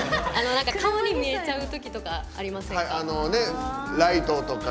顔に見えちゃうときとかありませんか？